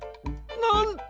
なんと！